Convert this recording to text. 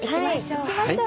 行きましょう。